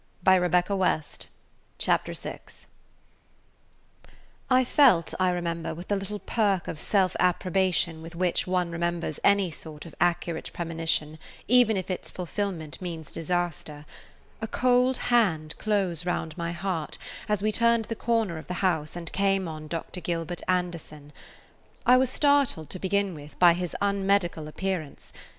[Page 146] CHAPTER VI I FELT, I remember with the little perk of self approbation with which one remembers any sort of accurate premonition even if its fulfillment means disaster, a cold hand close round my heart as we turned the corner of the house and came on Dr. Gilbert Anderson. I was startled, to begin with, by his unmedical appearance.